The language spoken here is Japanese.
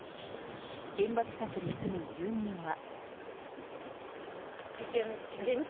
現場近くに住む住民は。